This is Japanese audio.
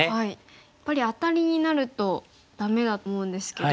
やっぱりアタリになるとダメだと思うんですけど。